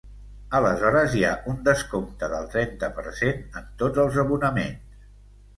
Aleshores hi ha un descompte del trenta per cent en tots els abonaments.